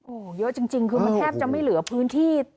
โอ้โหเยอะจริงคือมันแทบจะไม่เหลือพื้นที่